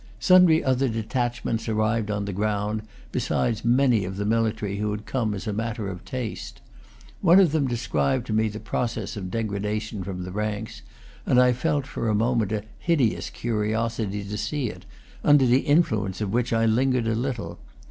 Sundry other detachments arrived on the ground, besides many of the military who had come as a matter of taste. One of them described to me the process of degradation from the ranks, and I felt for a moment a hideous curiosity to see it, under the influence of which I lingered a little.